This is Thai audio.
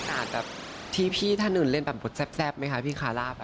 อาจแบบที่พี่ท่านอื่นเล่นแบบบทแซ่บไหมคะพี่คาร่า